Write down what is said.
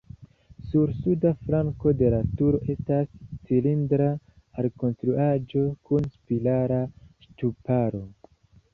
Sur suda flanko de la turo estas cilindra alkonstruaĵo kun spirala ŝtuparo.